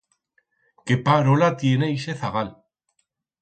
Qué parola tiene ixe zagal!